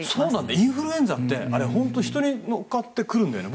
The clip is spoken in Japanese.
インフルエンザって本当に人に乗っかってくるんだよね。